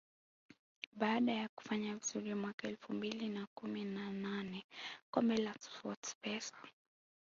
Baada ya kufanya vizuri mwaka elfu mbili na kumi na nane kombe la SportPesa